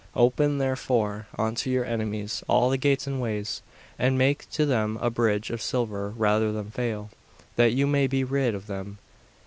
Open, therefore, unto your enemies all the gates and ways, and make to them a bridge of silver rather than fail, that you may be rid of them.